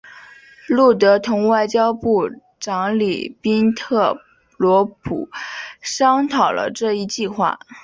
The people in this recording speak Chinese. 路德同外交部长里宾特洛甫商讨了这一计划。